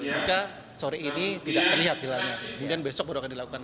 jika sore ini tidak terlihat hilal kemudian besok baru akan dilakukan